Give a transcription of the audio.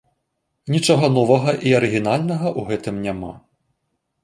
Нічога новага і арыгінальнага ў гэтым няма.